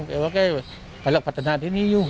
เล็กเหลว่าแกฟัศนาซินี่อยู่